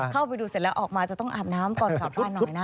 เข้าไปดูเสร็จแล้วออกมาจะต้องอาบน้ำก่อนกลับบ้านหน่อยนะ